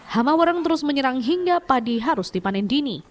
hamawereng terus menyerang hingga padi harus dipanen dini